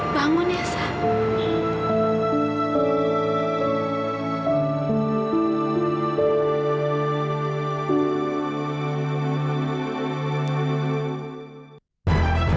bangun ya sam